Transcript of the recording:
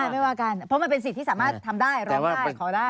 ไม่ว่ากันเพราะมันเป็นสิทธิ์ที่สามารถทำได้ร้องได้ขอได้